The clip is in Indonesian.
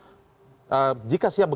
jika siap bekerja sama dengan pdip